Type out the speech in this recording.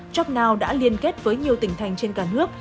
jobnow đã liên kết với nhiều tỉnh thành trên cả nước